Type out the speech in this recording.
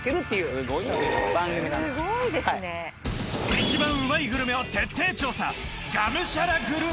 一番うまいグルメを徹底調査